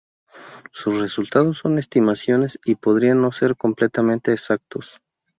Sus resultados son estimaciones y podrían no ser completamente exactos.